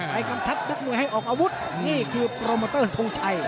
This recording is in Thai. กำชัดนักมวยให้ออกอาวุธนี่คือโปรโมเตอร์ทรงชัย